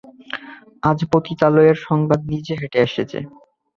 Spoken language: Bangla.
আজ পতিতালয়ে সংবাদ নিজে হেঁটে এসেছে!